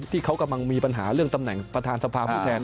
ที่เขากำลังมีปัญหาเรื่องตำแหน่งประธานสภาผู้แทน